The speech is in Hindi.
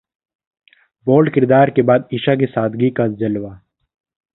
बोल्ड किरदार के बाद ईशा की सादगी का जलवा